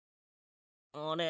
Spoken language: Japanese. あれ？